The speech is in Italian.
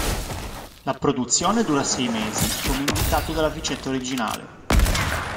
La produzione dura sei mesi, come indicato dalla ricetta originale.